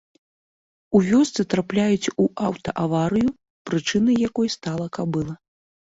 У вёсцы трапляюць у аўта-аварыю, прычынай якой стала кабыла.